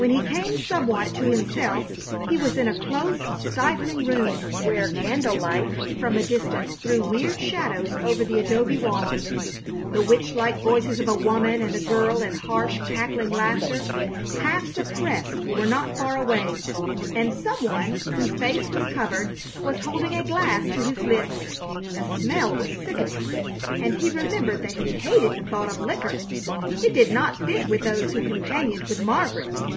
When he came somewhat to himself he was in a close, stifling room where candle light from a distance threw weird shadows over the adobe walls. The witch like voices of a woman and a girl in harsh, cackling laughter, half suppressed, were not far away, and some one, whose face was covered, was holding a glass to his lips. The smell was sickening, and he remembered that he hated the thought of liquor. It did not fit with those who companied with Margaret.